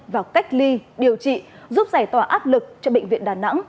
và cách ly điều trị giúp giải tỏa áp lực cho bệnh viện đà nẵng